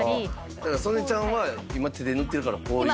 だから曽根ちゃんは今手で塗ってるからこういう状態。